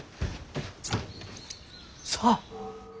さあ。